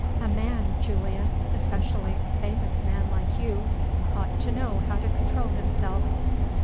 A man, Julian especially a famous man like you ought to know how to control himself."